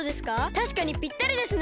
たしかにぴったりですね！